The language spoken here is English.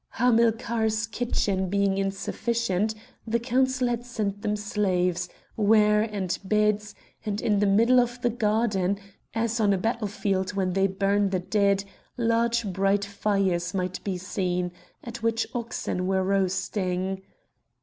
Hamilcar's kitchens being insufficient, the Council had sent them slaves, ware, and beds, and in the middle of the garden, as on a battle field when they burn the dead, large bright fires might be seen, at which oxen were roasting.